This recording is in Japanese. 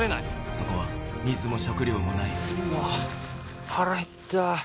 そこは水も食料もないうわ腹減った